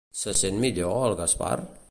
Se sent millor, el Gaspar?